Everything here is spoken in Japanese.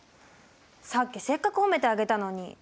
さっきせっかく褒めてあげたのに。